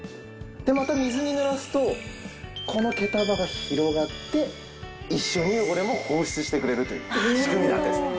でまた水に濡らすとこの毛束が広がって一緒に汚れも放出してくれるという仕組みなんです。